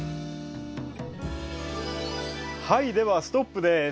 はいではストップです。